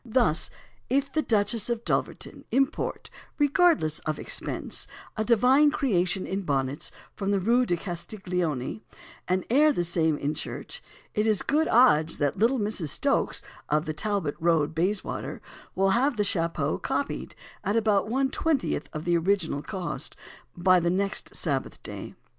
Thus, if the Duchess of Dulverton import, regardless of expense, a divine creation in bonnets from the Rue de Castiglione, and air the same in church, it is good odds that little Mrs. Stokes, of the Talbot Road, Bayswater, will have had the chapeau copied, at about one twentieth of the original cost, by the next Sabbath day.